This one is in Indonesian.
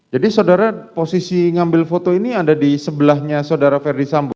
jadi saudara posisi ngambil foto ini ada di sebelahnya saudara ferdisambu